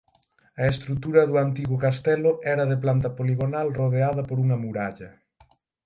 A estrutura do antigo castelo era de planta poligonal rodeada por unha muralla.